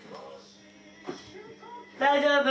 大丈夫？